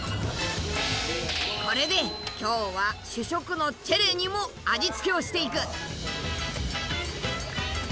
これで今日は主食のチェレにも味付けをしていく。